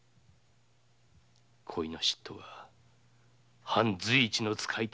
恋の嫉妬が藩随一の使い手